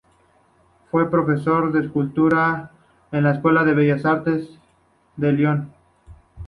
Fue profesor de escultura en la Escuela de Bellas Artes de Lyon.